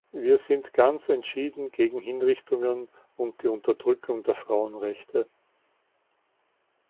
Wir sind ganz entschieden gegen Hinrichtungen und die Unterdrückung der Frauenrechte.